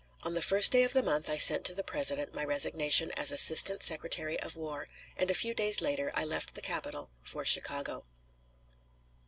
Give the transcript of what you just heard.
On the first day of the month I sent to the President my resignation as Assistant Secretary of War, and a few days later I left the capital for Chicago.